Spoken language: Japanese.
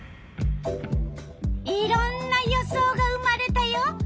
いろんな予想が生まれたよ。